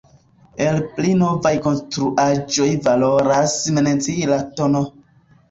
El pli novaj konstruaĵoj valoras mencii la tn.